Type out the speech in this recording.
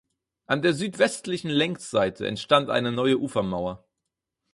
An der südwestlichen Längsseite entstand eine neue Ufermauer.